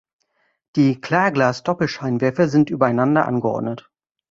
Die Klarglas Doppelscheinwerfer sind übereinander angeordnet.